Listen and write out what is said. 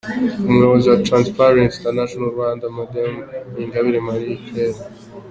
Umuyobozi wa Transparency International-Rwanda, Madame Ingabire Marie Immaculee .